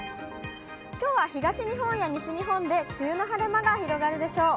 きょうは東日本や西日本で梅雨の晴れ間が広がるでしょう。